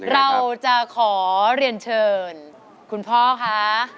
เราจะขอเรียนเชิญคุณพ่อค่ะ